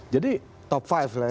jadi top five lah ya